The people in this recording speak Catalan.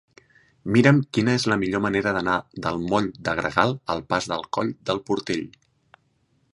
Mira'm quina és la millor manera d'anar del moll de Gregal al pas del Coll del Portell.